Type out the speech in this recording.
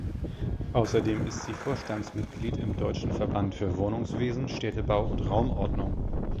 Außerdem ist sie Vorstandsmitglied im Deutschen Verband für Wohnungswesen, Städtebau und Raumordnung.